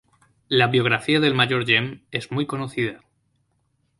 La biografía del mayor Gem es muy conocida.